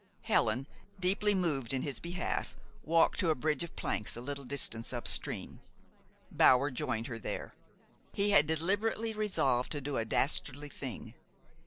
Helen, deeply moved in his behalf, walked to a bridge of planks a little distance up stream. Bower joined her there. He had deliberately resolved to do a dastardly thing.